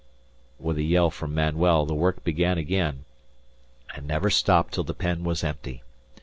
With a yell from Manuel the work began again, and never stopped till the pen was empty.